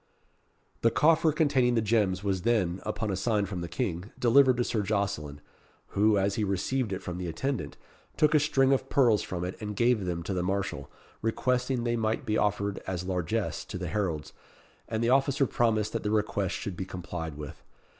The coffer containing the gems was then, upon a sign from the King, delivered to Sir Jocelyn, who, as he received it from the attendant, took a string of pearls from it and gave them to the marshal, requesting they might be offered as largesse to the heralds; and the officer promised that the request should be complied with.